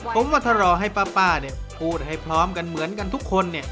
ผมว่าถ้ารอให้ป่าป่าเนี่ยพูดให้พร้อมกันเหมือนกันทุกคนเนี่ย